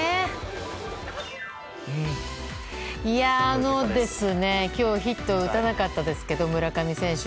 あのですね、今日ヒットを打たなかったですが村上選手。